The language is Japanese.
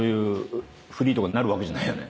フリーとかになるわけじゃないよね？